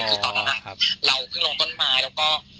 คือตอนนั้นเราเพิ่งลงต้นไม้แล้วก็